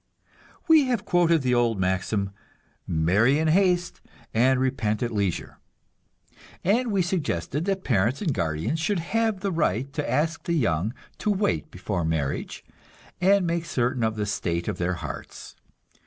We have quoted the old maxim, "Marry in haste and repent at leisure," and we suggested that parents and guardians should have the right to ask the young to wait before marriage, and make certain of the state of their hearts.